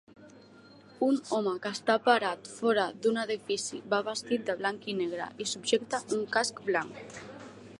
Un home que està parat fora d'un edifici va vestit de blanc i negre i subjecta un casc blanc.